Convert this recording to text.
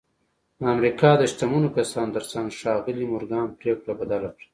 د امریکا د شتمنو کسانو ترڅنګ ښاغلي مورګان پرېکړه بدله کړه